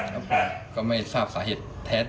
ผมไม่ทราบสาเหตุ